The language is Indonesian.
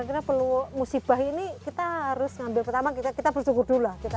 karena musibah ini kita harus ngambil pertama kita bersyukur dulu lah kita sehat